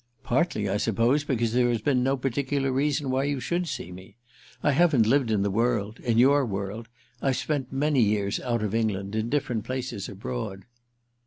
"Partly, I suppose, because there has been no particular reason why you should see me. I haven't lived in the world—in your world. I've spent many years out of England, in different places abroad."